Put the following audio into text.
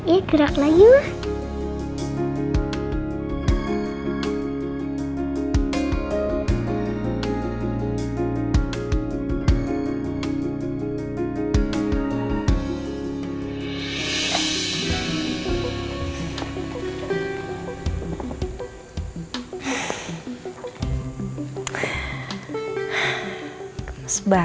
iya geraklah yua